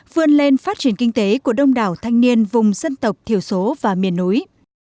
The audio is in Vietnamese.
vươn lên phát triển kinh tế của đông đảo thanh niên vùng dân tộc thiểu số và miền núi